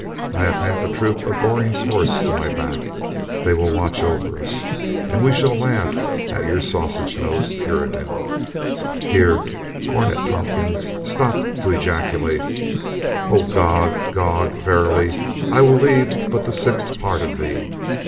I have half a troop of Goring's horse to my back. They will watch over us, and we shall laugh at your sausage nosed Puritan — Here Cornet Tompkins stopped to ejaculate: "Oh, Gog, Gog, verily, I will leave but the sixth part of thee